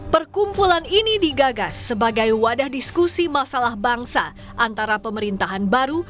perkumpulan ini digagas sebagai wadah diskusi masalah bangsa antara pemerintahan baru